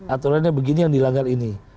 aturannya begini yang dilanggar ini